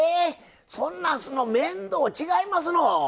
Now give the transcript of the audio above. そんなんすんの面倒違いますの？